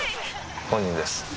本人です。